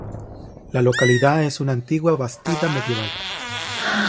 La localidad es una antigua bastida medieval.